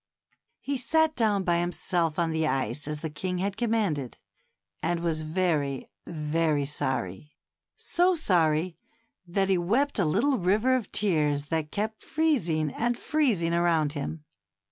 He sat down by himself on the ice as the king had commanded, and was very, very sorry — so sorry that he wept a little river of tears that kept freezing and freezing around him.